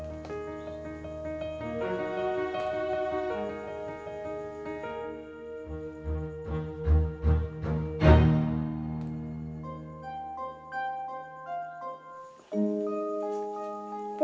gak ada apa apa